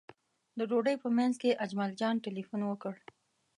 د ډوډۍ په منځ کې اجمل جان تیلفون وکړ.